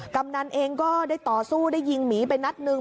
กำนันเองก็ได้ต่อสู้ได้ยิงหมีไปนัดหนึ่ง